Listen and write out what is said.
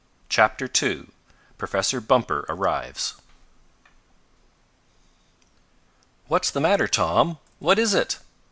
CHAPTER II PROFESSOR BUMPER ARRIVES "What's the matter, Tom? What is it?"